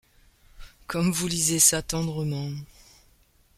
Comme vous lisez cela tendrement !